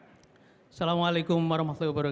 assalamu'alaikum warahmatullahi wabarakatuh